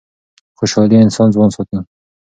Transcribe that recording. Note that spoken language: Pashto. خوشحالي انسان ځوان ساتي.